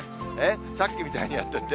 さっきみたいにやってって？